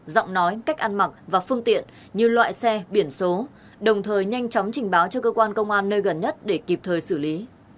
giọng nói cách ăn mặc và phương tiện như loại xe biển số đồng thời nhanh chóng trình báo cho cơ quan công an nơi gần nhất để kịp thời xử lý